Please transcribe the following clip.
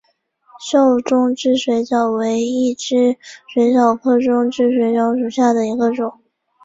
瘦中肢水蚤为异肢水蚤科中肢水蚤属下的一个种。